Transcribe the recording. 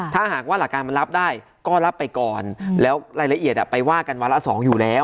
ถ้าหากว่าหลักการมันรับได้ก็รับไปก่อนแล้วรายละเอียดไปว่ากันวาระสองอยู่แล้ว